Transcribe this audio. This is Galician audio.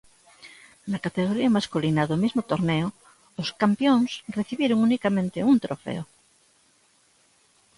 Na categoría masculina do mesmo torneo, os campións recibiron unicamente un trofeo.